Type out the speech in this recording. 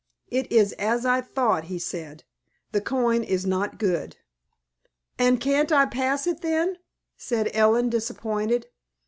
"It is as I thought," he said. "The coin is not good." "And can't I pass it, then?" said Ellen, disappointed.